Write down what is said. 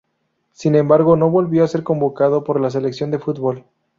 Sin embargo no volvió a ser convocado por la selección de fútbol.